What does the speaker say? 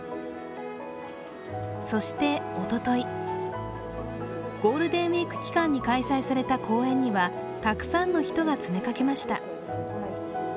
そして、おとといゴールデンウイーク期間に開催された公演にはたくさんの人が詰めかけました。